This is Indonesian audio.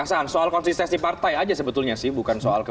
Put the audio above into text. kassan soal konsistensi partai aja sebetulnya sih